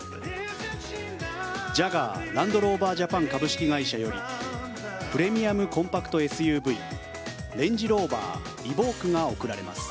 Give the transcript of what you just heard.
ジャガー・ランドローバー・ジャパン株式会社よりプレミアムコンパクトＳＵＶＲＡＮＧＥＲＯＶＥＲＥＶＯＱＵＥが贈られます。